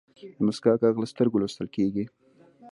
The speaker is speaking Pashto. د موسکا ږغ له سترګو لوستل کېږي.